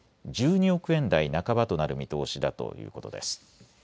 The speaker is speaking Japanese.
１２億円台半ばとなる見通しだということです。